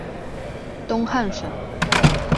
东汉省。